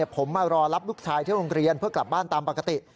ผมมารอรับลูกชายที่โรงเรียนเพื่อกลับบ้านตามปกติ